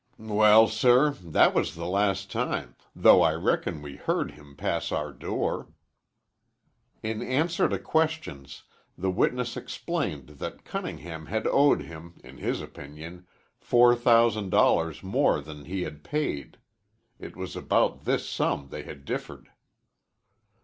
"Well, sir, that was the last time, though I reckon we heard him pass our door." In answer to questions the witness explained that Cunningham had owed him, in his opinion, four thousand dollars more than he had paid. It was about this sum they had differed.